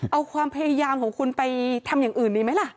เอาความพยายามของคุณไปทำอย่างอื่นดีไหมล่ะ